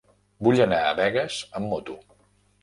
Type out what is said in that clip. Vull anar a Begues amb moto.